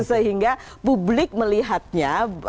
sehingga publik melihatnya